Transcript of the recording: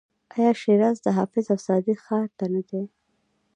آیا شیراز د حافظ او سعدي ښار نه دی؟